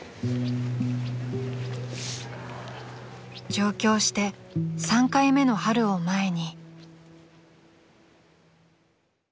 ［上京して３回目の春を前に］